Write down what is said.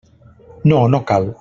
No, no cal.